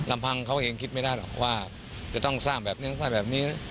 ลำพังเขาเองคิดไม่ได้หรอกว่าจะต้องสร้างแบบนี้สร้างแบบนี้